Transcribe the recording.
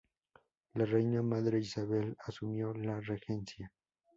La reina madre Isabel asumió la regencia.